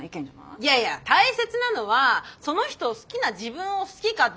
いやいや大切なのはその人を好きな自分を好きかどうかってことよ。